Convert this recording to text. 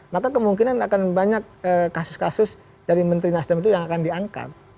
maka kemungkinan akan banyak kasus kasus dari menteri nasdem itu yang akan diangkat